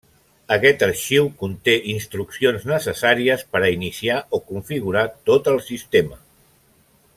Aquest arxiu conté instruccions necessàries per a iniciar o configurar tot el sistema.